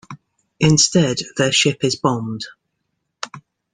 Instead, their ship is bombed.